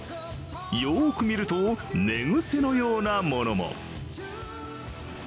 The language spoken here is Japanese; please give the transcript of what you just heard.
よく見ると、寝癖のようなものも。